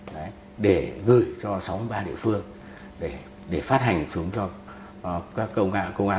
để gửi cho sáu mươi ba địa phương để phát hành xuống cho các cơ quan